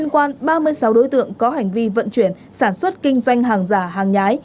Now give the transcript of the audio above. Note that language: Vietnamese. hành vi vận chuyển sản xuất kinh doanh hàng giả hàng nhái